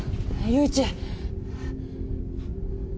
友一！